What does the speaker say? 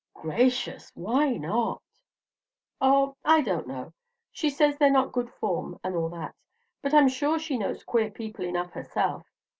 "Gracious! why not?" "Oh, I don't know, she says they're not good form, and all that; but I'm sure she knows queer people enough herself.